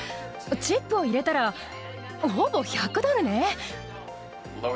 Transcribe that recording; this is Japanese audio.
チップを入れたら、ほぼ１００ドルね。